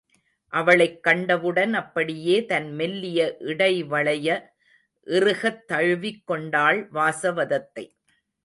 அவளைக் கண்டவுடன் அப்படியே தன் மெல்லிய இடைவளைய இறுகத் தழுவிக் கொண்டாள் வாசவதத்தை.